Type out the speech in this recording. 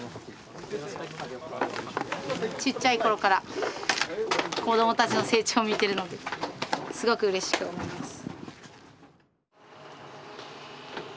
ちっちゃい頃から子供たちの成長を見てるのですごくうれしく思います。